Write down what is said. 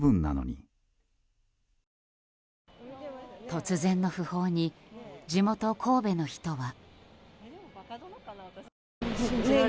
突然の訃報に地元・神戸の人は。